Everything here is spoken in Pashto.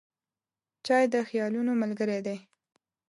چای د خیالونو ملګری دی.